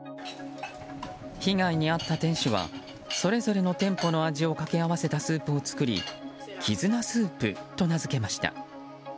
被害に遭った店主はそれぞれの店舗をかけあわせたスープを作り絆スープと名付けました。